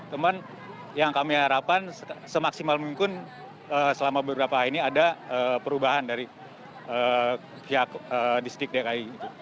cuman yang kami harapkan semaksimal mungkin selama beberapa hari ini ada perubahan dari pihak distrik dki